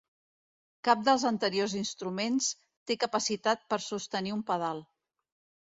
Cap dels anteriors instruments té capacitat per sostenir un pedal.